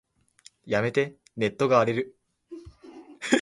やめて、ネットが荒れる。